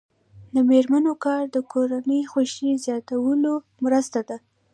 د میرمنو کار د کورنۍ خوښۍ زیاتولو مرسته ده.